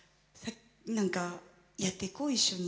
何かやっていこう一緒に。